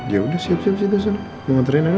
ya udah siap siap situ sana mau ngantuin rena kan